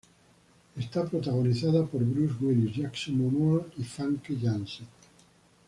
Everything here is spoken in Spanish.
Es protagonizada por Bruce Willis, Jason Momoa y Famke Janssen.